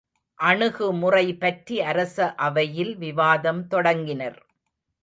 அணுகுமுறை பற்றி அரச அவையில் விவாதம் தொடங்கினர்.